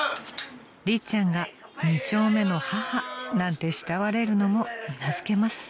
［りっちゃんが二丁目の母なんて慕われるのもうなずけます］